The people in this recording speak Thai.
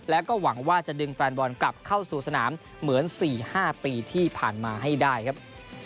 และก็หวังว่าจะดึงแฟนบอลกลับเข้าสู่สนามเหมือน๔๕ปีที่ผ่านมาให้ได้ครับ